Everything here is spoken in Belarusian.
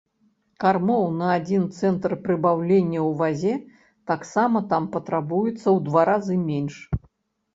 Кармоў на адзін цэнтнер прыбаўлення ў вазе таксама там патрабуецца ў два разы менш.